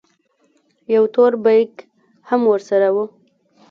يو تور بېګ هم ورسره و.